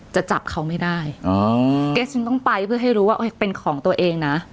จะจับเขาไม่ได้อ๋อเกสยังต้องไปเพื่อให้รู้ว่าเป็นของตัวเองนะ